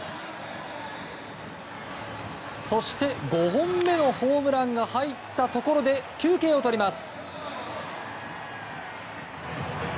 そして、５本目のホームランが入ったところで休憩を取ります。